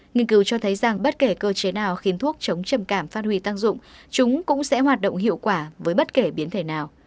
nghiên cứu cho thấy rằng bất kể cơ chế nào khiến thuốc chống trầm cảm phát huy tác dụng chúng cũng sẽ hoạt động hiệu quả với bất kể biến thể nào